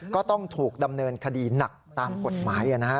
ก็ต้องถูกดำเนินคดีหนักตามกฎหมายนะฮะ